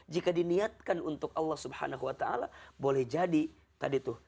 jika diniatkan untuk allah swt boleh jadi tadi tuh